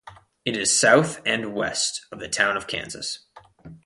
It is south and west of the town of Kansas.